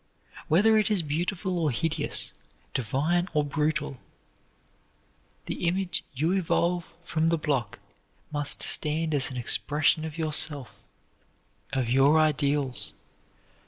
Whether it is beautiful or hideous, divine or brutal, the image you evolve from the block must stand as an expression of yourself, of your ideals.